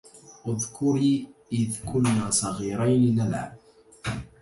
اذكري إذ كنا صغيرين نلعب